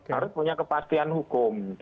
harus punya kepastian hukum